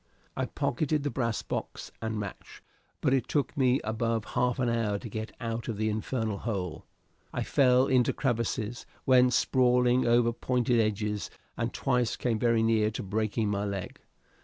I pocketed the brass box and match, but it took me above half an hour to get out of the infernal hole. I fell into crevices, went sprawling over pointed edges, and twice came very near to breaking my leg.